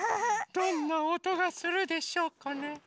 どんなおとがするでしょうかね。